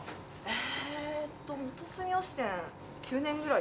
えっと元住吉店９年ぐらい。